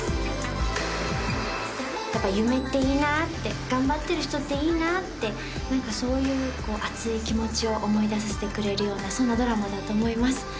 やっぱ夢っていいなって頑張ってる人っていいなってなんかそういう熱い気持ちを思い出させてくれるようなそんなドラマだと思います